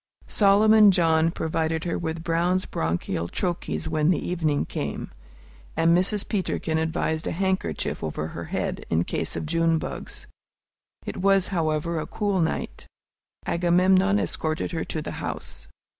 Solomon John provided her with Brown's Bronchial Troches when the evening came, and Mrs. Peterkin advised a handkerchief over her head, in case of June bugs. It was, however, a cool night. Agamemnon escorted her to the house.